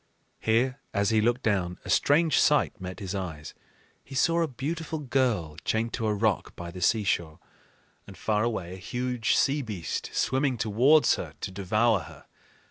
Here, as he looked down, a strange sight met his eyes: he saw a beautiful girl chained to a rock by the seashore, and far away a huge sea beast swimming towards her to devour her.